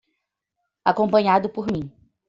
Acompanhado por mim